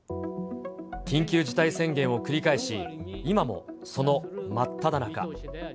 緊急事態宣言を繰り返し、今も、その真っただ中。